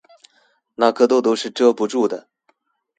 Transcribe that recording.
那顆痘痘是遮不住的